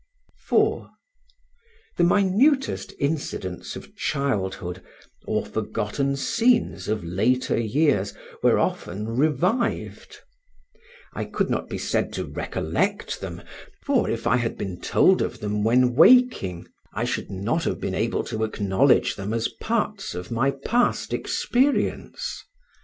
4. The minutest incidents of childhood, or forgotten scenes of later years, were often revived: I could not be said to recollect them, for if I had been told of them when waking, I should not have been able to acknowledge them as parts of my past experience.